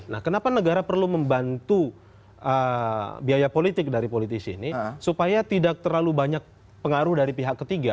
nah kenapa negara perlu membantu biaya politik dari politisi ini supaya tidak terlalu banyak pengaruh dari pihak ketiga